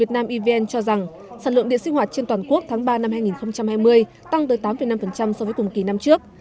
evn cho rằng sản lượng điện sinh hoạt trên toàn quốc tháng ba năm hai nghìn hai mươi tăng tới tám năm so với cùng kỳ năm trước